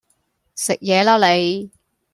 食野啦你